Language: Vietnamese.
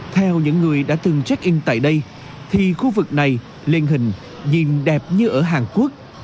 theo những người đã từng check in tại đây thì khu vực này liên hình nhìn đẹp như ở hàn quốc